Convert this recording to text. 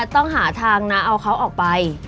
ต้องหาทางนะเอาเขาออกไป